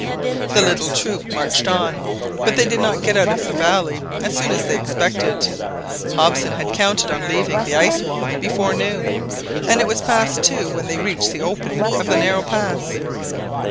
The little troop marched on, but they did not get out of the valley as soon as they expected. Hobson had counted on leaving the ice wall before noon, and it was past two when they reached the opening of the narrow pass.